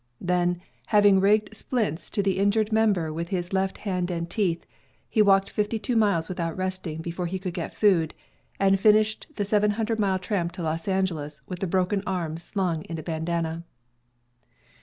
Then, having rigged splints to the injured member with his left hand and teeth, he walked fifty two miles with out resting, before he could get food, and finished the 700 mile tramp to Los Angeles with the broken arm slung in a bandanna.